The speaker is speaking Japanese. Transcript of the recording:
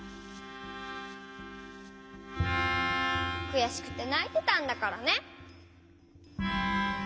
くやしくてないてたんだからね。